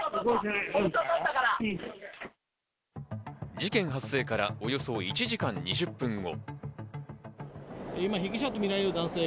事件発生からおよそ１時間２０分後。